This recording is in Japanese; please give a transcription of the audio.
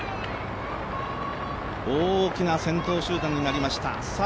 大きな先頭集団になりました。